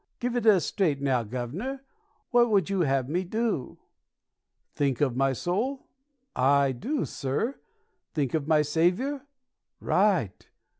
Give it us straight, now, guv'nor what would you have me do? Think of my soul? I do, sir. Think of my Saviour? Right!